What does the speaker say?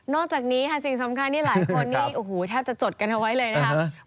นอกจากนี้สิ่งสำคัญที่หลายคนที่แทบจะจดกันเอาไว้เลยนะครับ